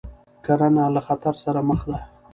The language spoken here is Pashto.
کرنه له خطر سره مخ ده.